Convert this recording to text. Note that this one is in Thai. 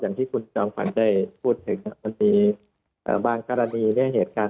อย่างที่คุณจังฟันได้พูดถึงมีบางกรณีด้วยเหตุการณ์